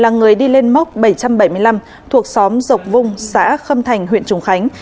là người đi lên móc bảy trăm bảy mươi năm thuộc xóm dọc vung xã khâm thành huyện trùng khánh